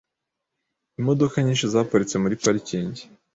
Imodoka nyinshi zaparitse muri parikingi .